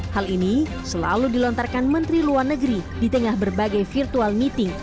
hal ini selalu dilontarkan menteri luar negeri di tengah berbagai virtual meeting